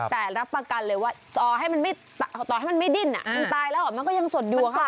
แต่รับประกันเลยว่าต่อให้มันต่อให้มันไม่ดิ้นมันตายแล้วมันก็ยังสดอยู่อะค่ะ